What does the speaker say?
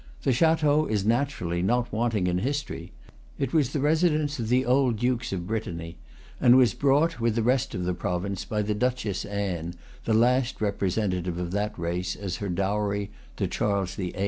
The chateau is naturally not wanting in history. It was the residence of the old Dukes of Brittany, and was brought, with the rest of the province, by the Duchess Anne, the last representative of that race, as her dowry, to Charles VIII.